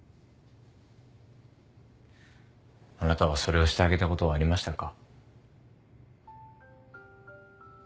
あなたはそれをしてあげたことはありましたか？